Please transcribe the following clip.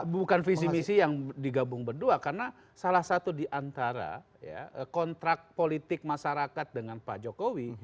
bukan visi misi yang digabung berdua karena salah satu diantara kontrak politik masyarakat dengan pak jokowi